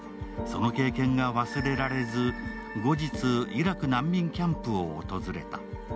その経験が忘れられず、後日、イラク難民キャンプを訪れた。